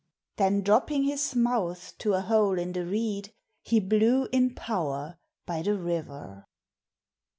Then dropping his mouth to a hole in the reed, He blew in power by the river.